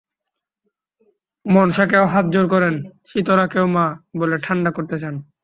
মনসাকেও হাতজোড় করেন, শীতলাকেও মা বলে ঠাণ্ডা করতে চান।